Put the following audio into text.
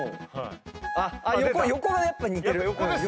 横がやっぱ似てる。